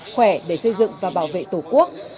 khỏe để xây dựng và bảo vệ tổ quốc